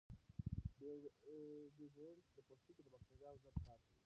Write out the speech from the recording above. ډیوډرنټ د پوستکي د باکتریاوو ضد کار کوي.